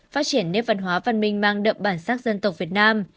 phát triển nếp văn hóa văn minh mang đậm bản sắc dân tộc việt nam